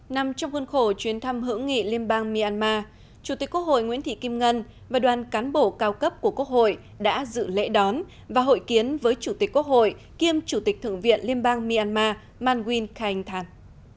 nằm trong hôn khổ chuyến thăm hữu nghị liên bang myanmar chủ tịch quốc hội nguyễn thị kim ngân và đoàn cán bộ cao cấp của quốc hội đã dự lễ đón và hội kiến với chủ tịch quốc hội kiêm chủ tịch thượng viện liên bang myanmar mawin kaing tan